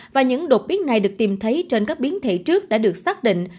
và những đột biến này được tìm thấy trên các biến thể trước đã được xác định